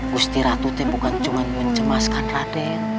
bu siti ratu bukan cuma mencemaskan raden